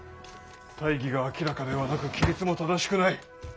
大義が明らかではなく規律も正しくない。